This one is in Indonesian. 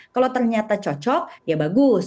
kalau ternyata cocok ya bagus